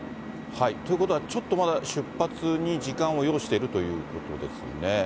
ということはちょっとまだ出発に時間を要しているということですね。